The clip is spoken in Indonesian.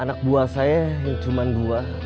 anak buah saya yang cuman dua